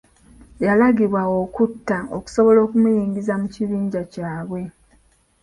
Yalagibwa okutta okusobola okumuyingiza mu kibinja kyabwe.